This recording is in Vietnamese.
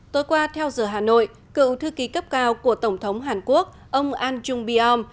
tối qua theo giờ hà nội cựu thư ký cấp cao của tổng thống hàn quốc ông ahn jung byong